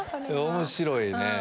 面白いね。